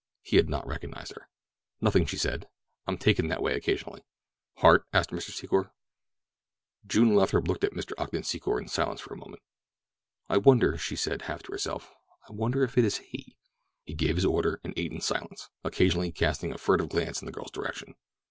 He had not recognized her. "Nothing," she said. "I'm taken that way occasionally." "Heart?" asked Mr. Secor. June Lathrop looked at Mr. Ogden Secor in silence for a moment. "I wonder," she said, half to herself. "I wonder if it is?" He gave his order and ate in silence, occasionally casting a furtive glance in the girl's direction.